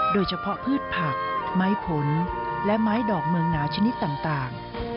พืชผักไม้ผลและไม้ดอกเมืองหนาชนิดต่าง